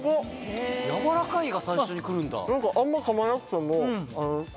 「やわらかい」が最初にくるんだ。